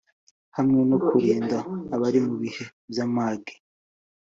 hamwe no kurinda abari mu bihe by’amage